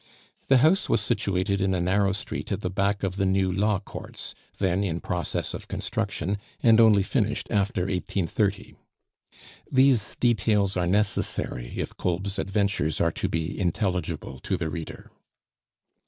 The house was situated in a narrow street at the back of the new Law Courts, then in process of construction, and only finished after 1830. These details are necessary if Kolb's adventures are to be intelligible to the reader.